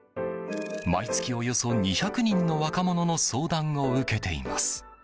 毎月およそ２００人の若者の相談を受けています。